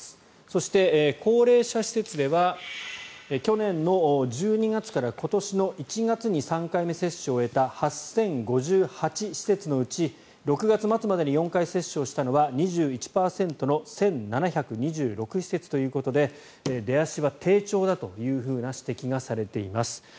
そして高齢者施設では去年１２月から今年１月に３回目接種を終えた８０５８施設のうち６月末までに４回接種をしたのは２１％の１７２６施設ということで出足は低調だというふうな指摘がされています。